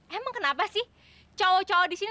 emang kenapa sih cowok cowok disini